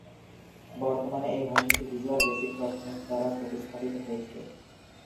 বর্তমানে এই ভাষাটি ভিজুয়াল বেসিক ডট নেট দ্বারা প্রতিস্থাপিত হয়েছে।